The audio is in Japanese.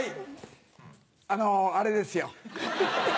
あのあれですよ。